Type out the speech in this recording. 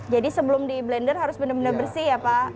jadi sebelum di blender harus benar benar bersih ya pak